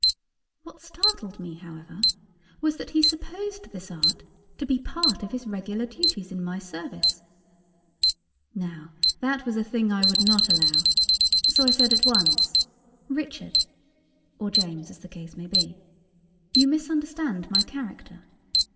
What startled me, however, was, that he supposed this art to be part of his regular duties in my service. Now that was a thing I would not allow; so I said at once, "Richard (or James, as the case might be,) you misunderstand my character.